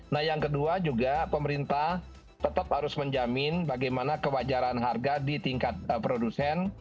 nah yang kedua juga pemerintah tetap harus menjamin bagaimana kewajaran harga di tingkat produsen